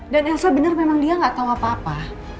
dan elsa benar memang dia gak tahu apa apa